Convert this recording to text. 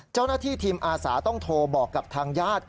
เจ้าหน้าที่ทีมอาสาต้องโทรบอกกับทางญาติ